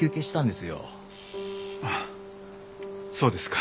あそうですか。